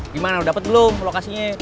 gimana lo dapet belum lokasinya